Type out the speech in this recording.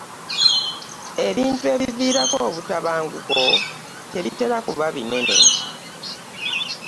ebintu ebiviirako obutabanguko tebitera kuba binene.